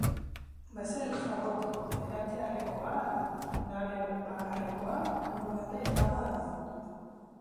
Baseliza gotiko berantiarrekoa da, nabe bakarrekoa, burualde laua du.